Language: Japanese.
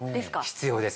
必要です。